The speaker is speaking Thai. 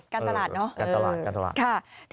การตลาดเนอะ